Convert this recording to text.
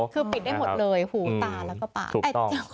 คือปิดได้หมดเลยหูตาแล้วก็ปาก